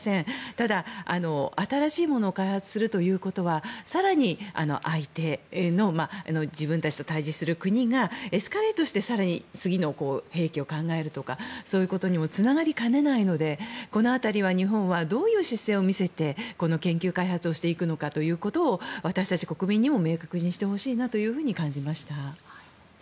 ただ、新しいものを開発するということは更に相手の自分たちと対峙する国がエスカレートしてさらに次の兵器を考えるとかそういうことにもつながりかねないのでこの辺りは日本はどういう姿勢を見せてこの研究開発をしていくのかということを私たち国民にも明確にしてほしいなと感じました。